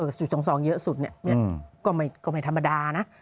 จุดทรงทรองเยอะสุดก็ไม่ธรรมดานะ